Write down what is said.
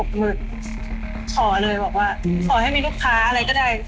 ขอเลยบอกว่าขอให้มีลูกค้าอะไรก็ได้